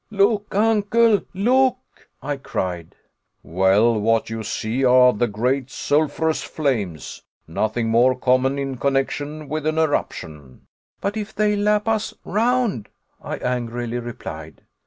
"Look, Uncle, look!" I cried. "Well, what you see are the great sulphurous flames. Nothing more common in connection with an eruption." "But if they lap us round!" I angrily replied.